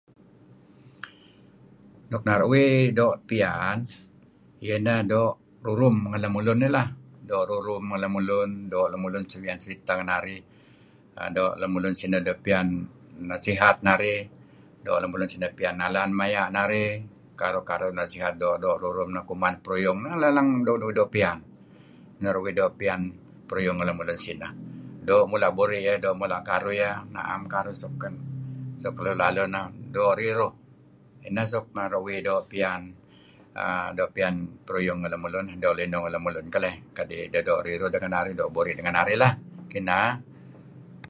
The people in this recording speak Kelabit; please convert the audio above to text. nuk naru uih do pian ieh ineh do rurum ngen lemulun eh leh do rurum ngen lelumulun do seriteh ngen narih do lemulun sineh do pian nasihat narih do lemulun sineh pian nalan maya narih karuh karuh nasihat do do rurum kuman peruyung neh leng leng ngen uih do pian naru uih do pian peruyung ngen lemulun sineh. Do mula buri ieh do mula karuh ieh naam ieh naru karuh suk laluh neh do riruh neh suk naru uih do pian peruyung ngen lemulun sineh do linuh lemulun keleh do riruh do buri ngen narih keneh ieh.